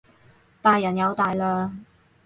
大人有大量